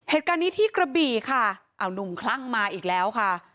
เหตุการณ์นี้ที่กระบี่ค่ะอ้าวหนุ่มคลั่งมาอีกแล้วค่ะ